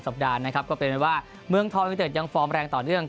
สัปดาห์นะครับก็เป็นว่าเมืองทองมิตเติร์ดยังแรงต่อเรื่อง